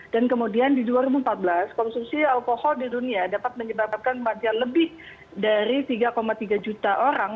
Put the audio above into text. dan kemudian di dua ribu empat belas konsumsi alkohol di dunia dapat menyebabkan kematian lebih dari tiga tiga juta orang